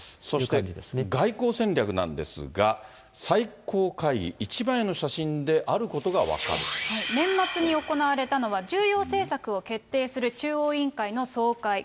そして外交戦略なんですが、最高会議、年末に行われたのは、重要政策を決定する中央委員会の総会。